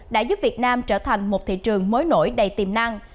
đã giúp việt nam trở thành một thị trường mới nổi đầy tiềm năng